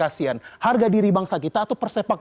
kasian harga diri bangsa kita atau persepak